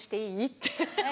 って。